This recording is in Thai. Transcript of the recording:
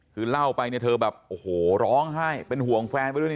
คือเล่าไปเนี่ยเธอแบบโอ้โหร้องไห้เป็นห่วงแฟนไปด้วยนี่